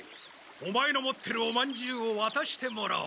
オマエの持ってるおまんじゅうをわたしてもらおう。